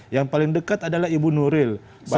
yang paling dekat adalah ibu nuril